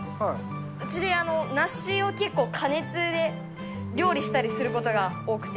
うちで梨を結構加熱で料理したりすることが多くて。